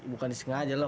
bukan disengaja loh